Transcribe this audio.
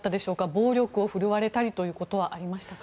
暴力を振るわれたりということはありましたか？